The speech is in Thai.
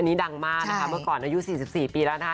อันนี้ดังมากเมื่อก่อนนะโจ้ย๔๔ปีแล้วนะ